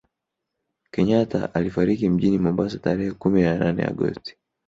kenyatta alifariki mjini Mombasa tarehe kumi na nane agosti